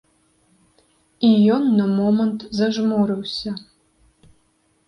І ён на момант зажмурыўся.